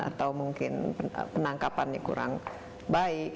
atau mungkin penangkapannya kurang baik